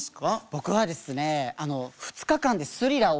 僕はですねえ？